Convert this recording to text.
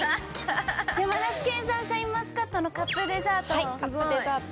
山梨県産シャインマスカットのカップデザートをはいカップデザート